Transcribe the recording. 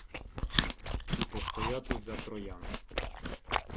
І постояти за троян.